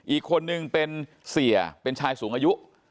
อีกคนนึงเป็นเสียเป็นชายสูงอายุ